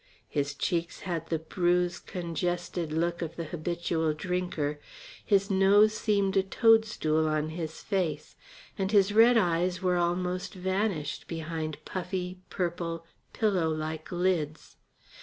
His cheeks had the bruised congested look of the habitual drinker, his nose seemed a toadstool on his face, and his red eyes were almost vanished behind puffy, purple, pillow like lids.